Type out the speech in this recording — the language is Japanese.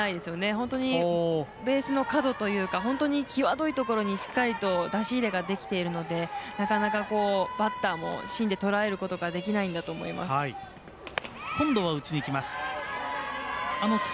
本当にベースの角というか際どいところにしっかりと出し入れができているのでなかなかバッターも芯でとらえることができないんだと思います。